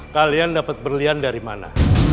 kalian dapat berlian dari mana